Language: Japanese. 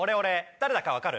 誰だか分かる？